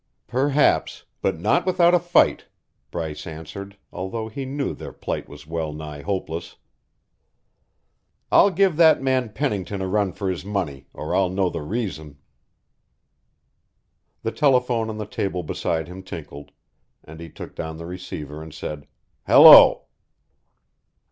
"Perhaps but not without a fight," Bryce answered, although he knew their plight was well nigh hopeless. "I'll give that man Pennington a run for his money, or I'll know the reason." The telephone on the table beside him tinkled, and he took down the receiver and said "Hello!"